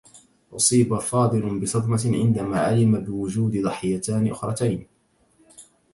أصيب فاضل بصدمة عندما علم بوجود ضحيتان أخرتين.